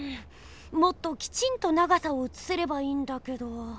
もっときちんと長さをうつせればいいんだけど。